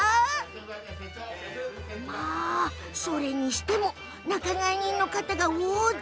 それにしても仲買人の方が大勢。